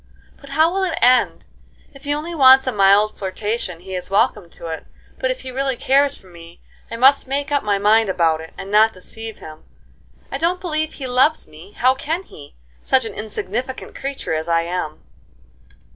"But how will it end? If he only wants a mild flirtation he is welcome to it; but if he really cares for me, I must make up my mind about it, and not deceive him. I don't believe he loves me: how can he? such an insignificant creature as I am."